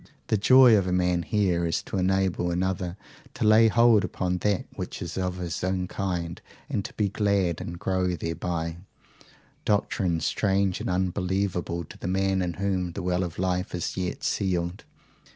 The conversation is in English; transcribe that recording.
The joy of a man here is to enable another to lay hold upon that which is of his own kind and be glad and grow thereby doctrine strange and unbelievable to the man in whom the well of life is yet sealed.